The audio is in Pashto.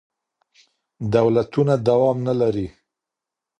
دولتونه دوام نه لري.